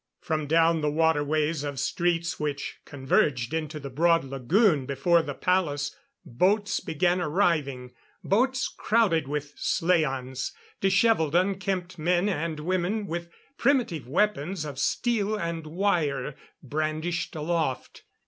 From down the waterways of streets which converged into the broad lagoon before the palace, boats began arriving. Boats crowded with slaans. Disheveled, unkempt men and women with primitive weapons of steel and wire brandished aloft.